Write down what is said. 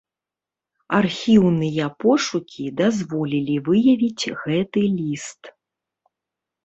Архіўныя пошукі дазволілі выявіць гэты ліст.